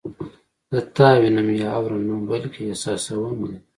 زه تا وینم یا اورم نه بلکې احساسوم دې